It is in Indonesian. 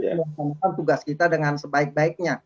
itu yang mengembangkan tugas kita dengan sebaik baiknya